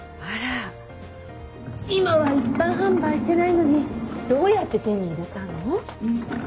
あら今は一般販売してないのにどうやって手に入れたの？